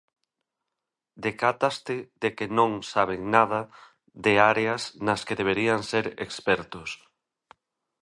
Decátaste de que non saben nada de áreas nas que deberían ser expertos.